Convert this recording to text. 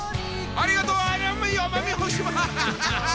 ありがとう奄美大島！